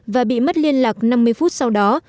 và bị mất liên lạc năm mươi phút sau đó